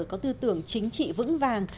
có tư tưởng chính trị vững vàng